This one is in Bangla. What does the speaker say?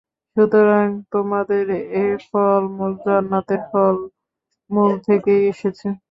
সুতরাং তোমাদের এ ফল-মূল জান্নাতের ফল-মূল থেকেই এসেছে।